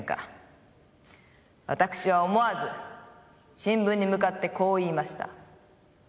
私は思わず新聞に向かってこう言いました。